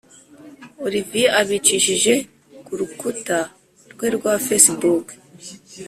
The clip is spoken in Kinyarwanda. olivier abicishije kurukuta rwe rwa facebook